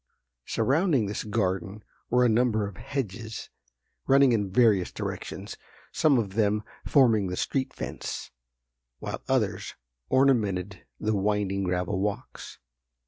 Surrounding this garden were a number of hedges running in various directions, some of them forming the street fence, while others ornamented the winding gravel walks.